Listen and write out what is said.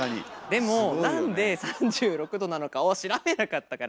でもなんで３６℃なのかを調べなかったから。